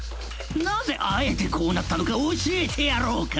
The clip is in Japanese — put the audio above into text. なぜあえてこうなったのか教えてやろうか？